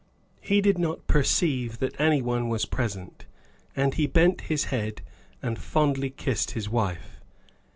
He did not perceive that any one was present, and he bent his head and fondly kissed his wife.